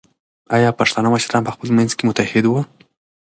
ایا پښتانه مشران په خپل منځ کې متحد وو؟